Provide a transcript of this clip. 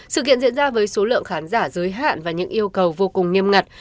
sự kiện diễn ra với số lượng khán giả giới hạn và những yêu cầu vô cùng nghiêm ngặt